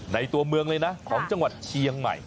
ตัวเมืองเลยนะของจังหวัดเชียงใหม่